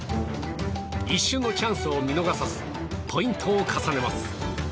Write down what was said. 一瞬のチャンスを見逃さずポイントを重ねます。